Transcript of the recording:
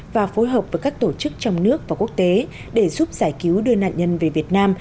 và phối hợp với các tổ chức trong nước và quốc tế để giúp giải cứu đưa nạn nhân về việt nam